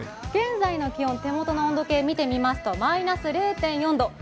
現在の気温、手元の温度計見てみますとマイナス０．４度。